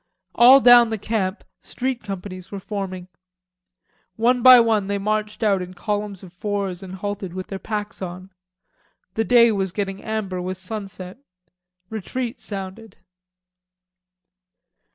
All down the camp street companies were forming. One by one they marched out in columns of fours and halted with their packs on. The day was getting amber with sunset. Retreat sounded.